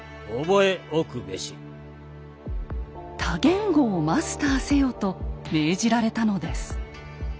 多言語をマスターせよと命じられたのです。